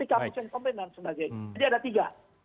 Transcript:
komitmen dan sebagainya jadi ada tiga